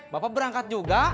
bapak berangkat juga